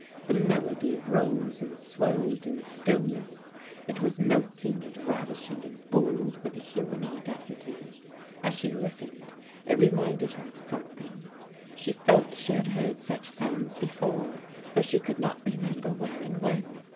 The melody rose and swelled in stillness; it was melting and ravishing and bold with a human audacity. As she listened it reminded her of something; she felt she had heard such sounds before, though she could not remember where and when.